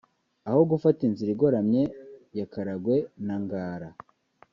aho gufata inzira igoranye ya Karagwe na Ngara